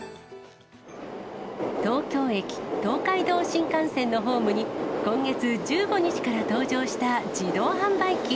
東京駅・東海道新幹線のホームに、今月１５日から登場した自動販売機。